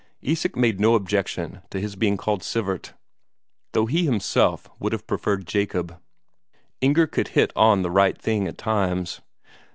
Isak made no objection to his being called Sivert, though he himself would rather have preferred Jacob. Inger could hit on the right thing at times.